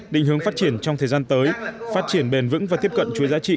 định hướng phát triển trong thời gian tới phát triển bền vững và tiếp cận chuỗi giá trị